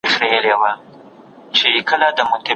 لس او لس؛ شل کېږي.